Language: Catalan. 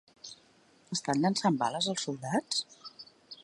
Estan llençant bales els soldats?